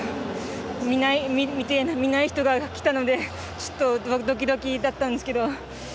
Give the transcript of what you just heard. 見ない人がきたのでちょっとドキドキだったんですけど。